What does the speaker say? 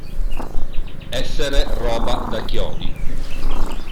Essere roba da chiodi.